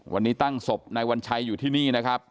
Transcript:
วันนี้ตั้งศพนายวัญชัยอยู่ที่นี่นะครับ